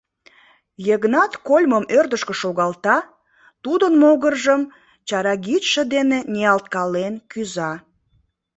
Йыгнат кольмым ӧрдыжкӧ шогалта, Тудын могыржым чарагидше дене ниялткален кӱза.